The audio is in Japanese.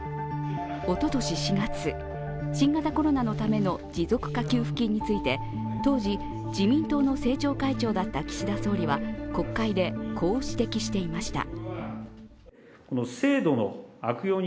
おととし４月、新型コロナのための持続化給付金について当時、自民党の政調会長だった岸田総理は国会で、こう指摘していました。